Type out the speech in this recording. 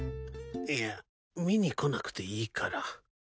いや見に来なくていいから。